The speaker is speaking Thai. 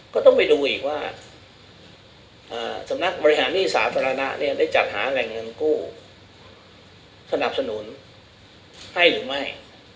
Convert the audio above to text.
ก็ต้องไปดูอีกว่าสำนักบริหารหนี้สาธารณะเนี่ยได้จัดหาแหล่งเงินกู้สนับสนุนให้หรือไม่